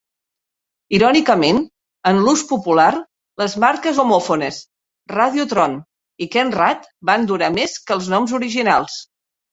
Irònicament, en l'ús popular, les marques homòfones "Radiotron" i "Ken-Rad" van durar més que els noms originals.